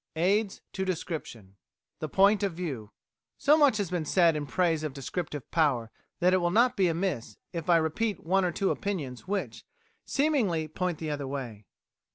Aids to Description THE POINT OF VIEW So much has been said in praise of descriptive power, that it will not be amiss if I repeat one or two opinions which, seemingly, point the other way.